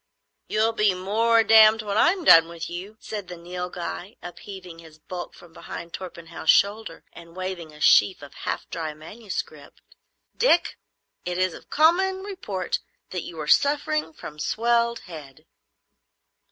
"You'll be more damned when I'm done with you," said the Nilghai, upheaving his bulk from behind Torpenhow's shoulder and waving a sheaf of half dry manuscript. "Dick, it is of common report that you are suffering from swelled head."